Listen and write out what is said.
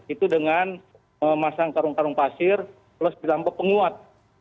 itu dengan memasang karung karung pasir plus ditambah penguat